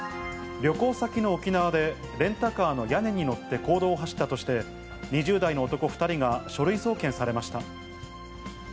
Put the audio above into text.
旅行先の沖縄で、レンタカーの屋根に乗って公道を走ったとして、２０代の男２人が書類送検されました。